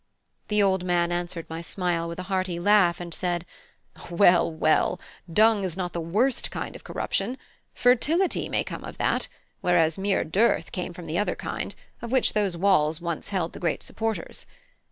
The old man answered my smile with a hearty laugh, and said: "Well, well, dung is not the worst kind of corruption; fertility may come of that, whereas mere dearth came from the other kind, of which those walls once held the great supporters.